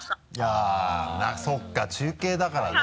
あっそうか中継だからね。